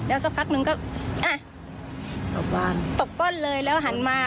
สักพักนึงก็อ่ะตกบ้านตบก้นเลยแล้วหันมา